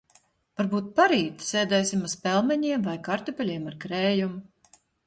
Varbūt parīt sēdēsim uz pelmeņiem vai kartupeļiem ar krējumu.